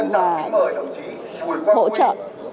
và hỗ trợ